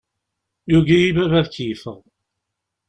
Yugi-iyi baba ad keyyefeɣ.